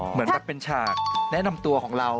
เหมือนแบบเป็นฉากแนะนำตัวของเรา